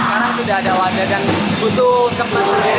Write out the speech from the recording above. sekarang sudah ada wadah dan butuh tempat sendiri